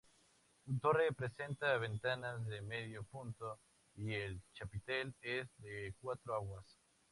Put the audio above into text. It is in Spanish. Su torre presenta ventanas de medio punto, y el chapitel es de cuatro aguas.